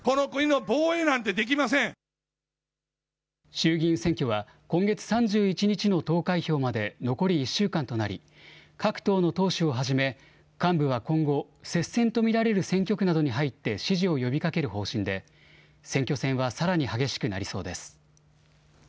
衆議院選挙は、今月３１日の投開票まで残り１週間となり、各党の党首をはじめ、幹部は今後、接戦と見られる選挙区などに入って支持を呼びかける方針で、選挙戦はさらに激しくなりそうです。